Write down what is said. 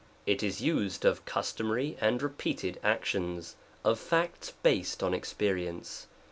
It is used of customary and repeated ac tions — of facts based on experience.